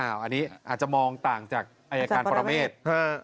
อันนี้อาจจะมองต่างจากอายการปรเมฆ